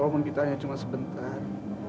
walaupun kita hanya cuma sebentar